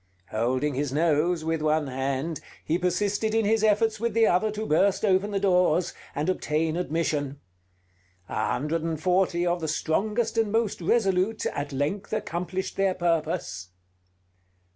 Holding his nose with one hand, he persisted in his efforts with the other to burst open the doors, and obtain admission. A hundred and forty of the strongest and most resolute at length accomplished their purpose....